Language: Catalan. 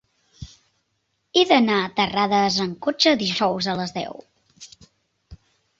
He d'anar a Terrades amb cotxe dijous a les deu.